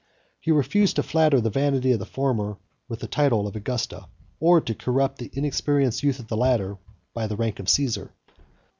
He refused to flatter the vanity of the former with the title of Augusta; or to corrupt the inexperienced youth of the latter by the rank of Cæsar.